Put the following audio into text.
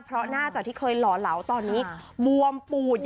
เพราะหน้าจากที่เคยหล่อเหลาตอนนี้บวมปูด